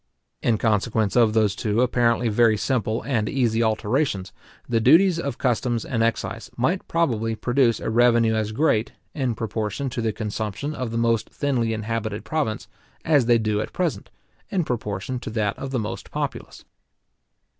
In consequence of those two apparently very simple and easy alterations, the duties of customs and excise might probably produce a revenue as great, in proportion to the consumption of the most thinly inhabited province, as they do at present, in proportion to that of the most populous.